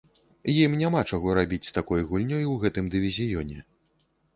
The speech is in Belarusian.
Ім няма чаго рабіць з такой гульнёй у гэтым дывізіёне.